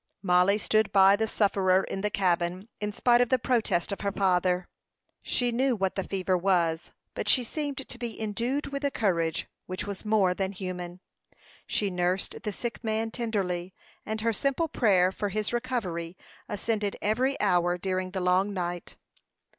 Mollie stood by the sufferer in the cabin, in spite of the protest of her father. She knew what the fever was; but she seemed to be endued with a courage which was more than human. She nursed the sick man tenderly, and her simple prayer for his recovery ascended every hour during the long night.